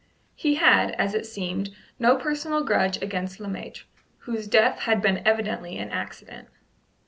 He had, as it seemed, no personal grudge against Le Maître, whose death had been evidently an accident.